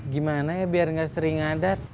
gimana ya biar gak sering adat